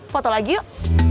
foto lagi yuk